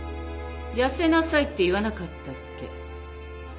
痩せなさいって言わなかったっけ？